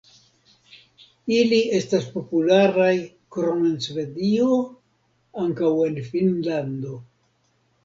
Ili estas popularaj krom en Svedio ankaŭ en Finnlando.